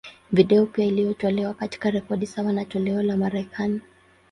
Video pia iliyotolewa, katika rekodi sawa na toleo la Marekani.